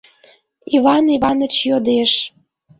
— Иван Иваныч йодеш.